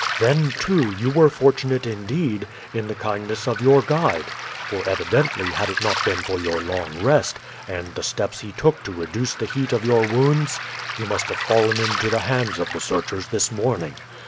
Then, too, you were fortunate, indeed, in the kindness of your guide; for evidently had it not been for your long rest, and the steps he took to reduce the heat of your wounds, you must have fallen into the hands of the searchers this morning.